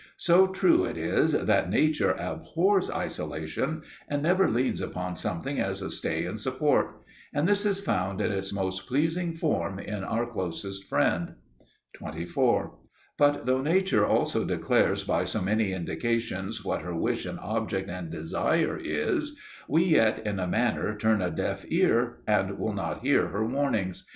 So true it is that nature abhors isolation, and ever leans upon something as a stay and support; and this is found in its most pleasing form in our closest friend. 24. But though Nature also declares by so many indications what her wish and object and desire is, we yet in a manner turn a deaf ear and will not hear her warnings.